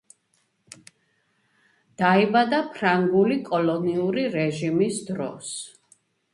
დაიბადა ფრანგული კოლონიური რეჟიმის დროს.